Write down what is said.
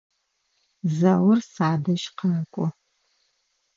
Заур садэжь къэкӏо.